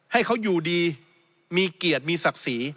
ให้เขาอยู่ดีมีเกียรติมีศักดิ์ศรี